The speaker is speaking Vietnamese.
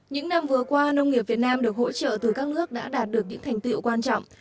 những năm vừa qua nông nghiệp việt nam được hỗ trợ từ các nước đã đạt được những thành tiệu quan trọng